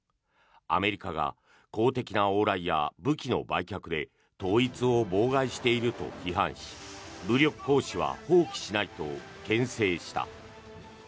アメリカが公的な往来や武器の売却で統一を妨害していると批判し武力行使は放棄しないとけん制した。